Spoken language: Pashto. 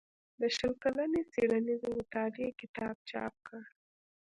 د شل کلنې څيړنيزې مطالعې کتاب چاپ کړ